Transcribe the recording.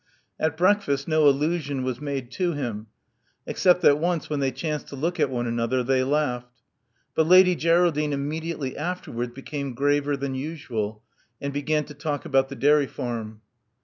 At breakfast no allusion was made to him, except that once, when they chanced to look at one another, they laughed. But Lady Greral dine immediately afterwards became graver than usual, and began to talk about the dairy farm.